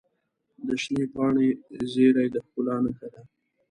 د شنې پاڼې زیرۍ د ښکلا نښه ده.